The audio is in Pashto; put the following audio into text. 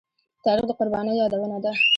تاریخ د قربانيو يادونه ده.